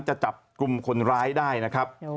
จะจับกลุ่มคนร้ายได้นะครับ